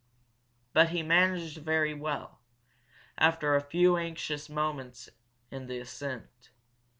But he managed very well, after a few anxious moments in the ascent.